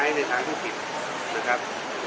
กินทำอะไรเพิ่มเติมไหมครับ